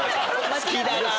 好きだな！